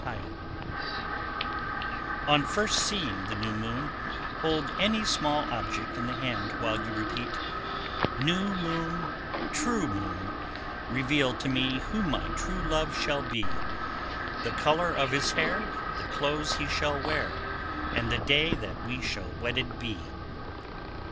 _ 1081. On first seeing the new moon, hold any small object in the hand while you repeat, New moon, true moon, reveal to me Who my true love shall be; The color of his hair, the clothes he shall wear, And the day that we shall wedded be.